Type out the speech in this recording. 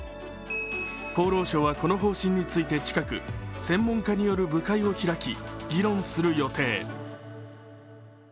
厚労省はこの方針について近く、専門家による部会を開き、議論する予定。